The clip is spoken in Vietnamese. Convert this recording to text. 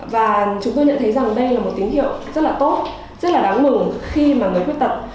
và chúng tôi nhận thấy rằng đây là một tín hiệu rất là tốt rất là đáng mừng khi mà người khuyết tật